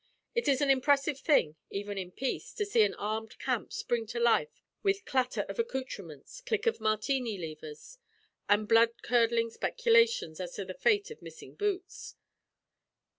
It is an impressive thing, even in peace, to see an armed camp spring to life with clatter of accouterments, click of Martini levers, and blood curdling speculations as to the fate of missing boots.